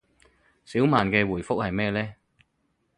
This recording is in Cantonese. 小曼嘅回覆係咩呢